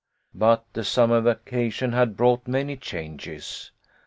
But the summer vacation had brought many changes.